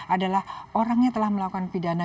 adalah orangnya telah melakukan pidana